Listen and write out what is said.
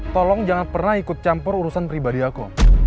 tolong jangan pernah ikut campur urusan pribadi aku